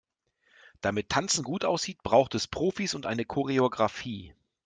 Damit Tanzen gut aussieht, braucht es Profis und eine Choreografie.